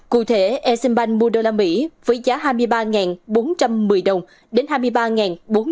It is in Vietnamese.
cụ thể exxonbank mua usd với giá hai mươi ba bốn trăm một mươi đồng đến hai mươi ba bốn trăm chín mươi đồng bán ra hai mươi ba tám trăm linh đồng